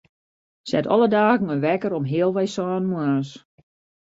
Set alle dagen in wekker om healwei sânen moarns.